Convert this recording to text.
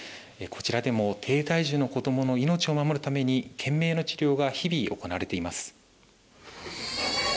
こちらでも低体重の子どもの命を守るために懸命の治療が日々行われています。